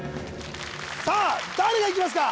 さあ誰がいきますか？